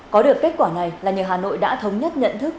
có được kết quả này là nhờ hà nội đã thống nhất nhận thức